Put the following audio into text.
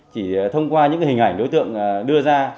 chỉ thông qua những hình ảnh đối tượng đưa ra